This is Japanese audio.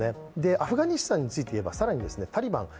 アフガニスタンについていえば、さらにタリバン。